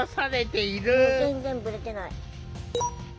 全然ぶれてない。